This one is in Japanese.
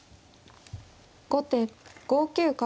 後手５九角。